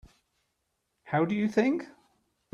How do you think?